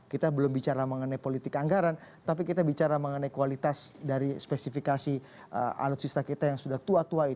kita belum bicara mengenai politik anggaran tapi kita bicara mengenai kualitas dari spesifikasi alutsista kita yang sudah tua tua